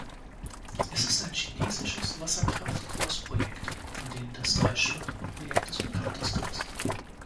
Es ist ein chinesisches Wasserkraft-Großprojekt, von denen das Drei-Schluchten-Projekt das bekannteste ist.